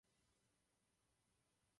Jednotky vznikaly bez povolení úřadů.